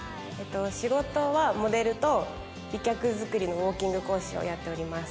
仕事はモデルと美脚づくりのウォーキング講師をやっております。